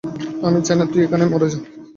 আমি চাই না তুই এখনই মারা যা।